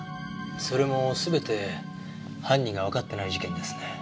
それも全て犯人がわかってない事件ですね。